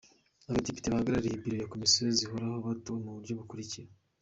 Abadepite bahagarariye Biro za Komisiyo zihoraho batowe mu buryo bukurikira:.